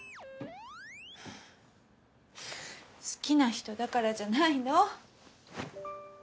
好きな人だからじゃないの？